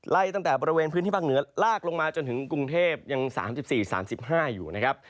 ตั้งแต่บริเวณพื้นที่ภาคเหนือลากลงมาจนถึงกรุงเทพยัง๓๔๓๕อยู่นะครับ